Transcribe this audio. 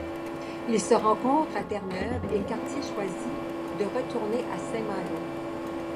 Ils se rencontrent à Terre-Neuve, et Cartier choisit de retourner à Saint-Malo.